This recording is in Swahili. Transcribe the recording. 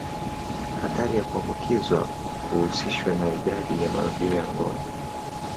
Hatari ya kuambukizwa huhusishwa na idadi ya marudio ya ngono.